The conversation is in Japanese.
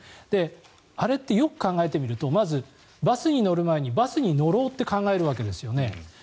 あれってよく考えてみるとバスに乗る前にバスに乗ろうって考えるわけですよね。